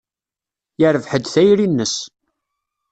Yerbeḥ-d tayri-nnes.